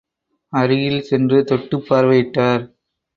அருகில் சென்று தொட்டுப் பார்வையிட்டார்.